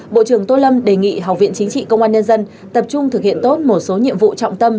bộ trưởng tô lâm đề nghị học viện chính trị công an nhân dân tập trung thực hiện tốt một số nhiệm vụ trọng tâm